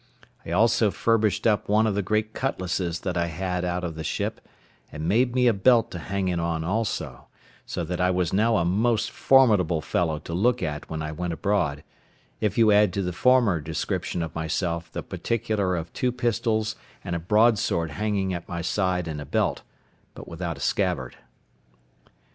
I also furbished up one of the great cutlasses that I had out of the ship, and made me a belt to hang it on also; so that I was now a most formidable fellow to look at when I went abroad, if you add to the former description of myself the particular of two pistols, and a broadsword hanging at my side in a belt, but without a scabbard.